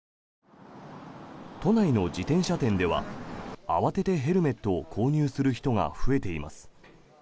都内の自転車店では慌ててヘルメットを購入する人が増えています。